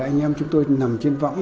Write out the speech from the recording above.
anh em chúng tôi nằm trên võng